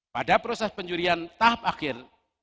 pada proses penjurian tahap akhir